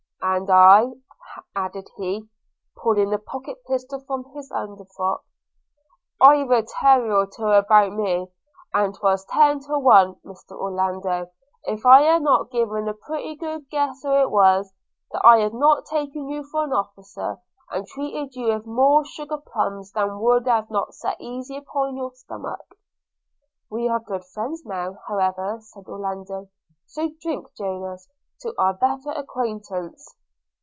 – and I,' added he, pulling a pocket pistol from under his frock, 'I've a terrier or two about me; and 'twas ten to one, Mr Orlando, if I had not a given a pretty good guess who it was, that I had not taken you for an officer, and treated you with more sugar plums than would have sat easy upon your stomach.' 'We are good friends now, however,' said Orlando; 'so drink, Jonas, to our better acquaintance.'